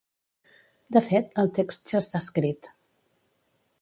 De fet, el text ja està escrit.